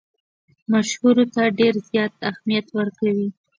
مشورو ته ډېر زیات اهمیت ورکوي.